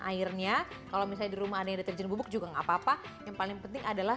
airnya kalau misalnya di rumah ada yang deterjen bubuk juga enggak apa apa yang paling penting adalah